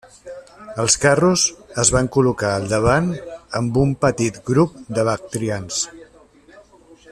Els carros es van col·locar al davant amb un petit grup de bactrians.